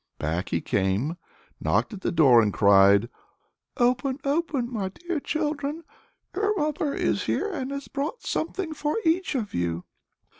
Back he came, knocked at the door, and cried, "Open, open, my dear children; your mother is here, and has brought something for each of you."